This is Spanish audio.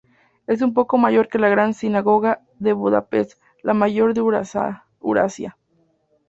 Es un poco mayor que la Gran Sinagoga de Budapest, la mayor de Eurasia.